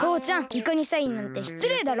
イカにサインなんてしつれいだろ！